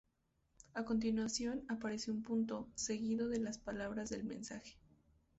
A continuación, aparece un punto, seguido de las palabras del mensaje.